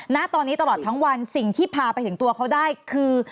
ณตอนนี้ตลอดทั้งวันสิ่งที่พาไปถึงตัวเขาได้คือ